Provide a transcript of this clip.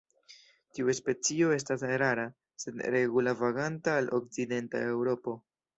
Tiu specio estas rara sed regula vaganta al okcidenta Eŭropo.